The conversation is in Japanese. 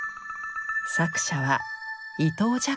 作者は伊藤若冲？